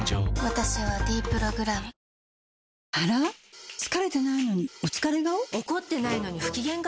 私は「ｄプログラム」あら？疲れてないのにお疲れ顔？